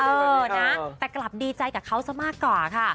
เออนะแต่กลับดีใจกับเขาซะมากกว่าค่ะ